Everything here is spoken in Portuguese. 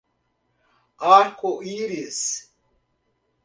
Arco-Íris